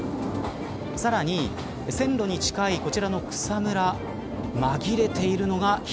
さらに線路に近いこちらの草むら紛れているのが人。